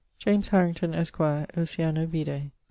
James Harrington, esquire: Oceana, vide.